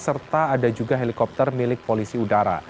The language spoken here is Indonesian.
serta ada juga helikopter milik polisi udara